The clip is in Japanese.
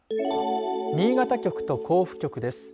新潟局と甲府局です。